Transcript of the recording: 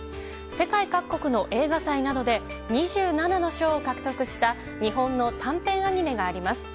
世界各国の映画祭などで２７の賞を獲得した日本の短編アニメがあります。